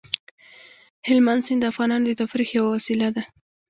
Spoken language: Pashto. هلمند سیند د افغانانو د تفریح یوه وسیله ده.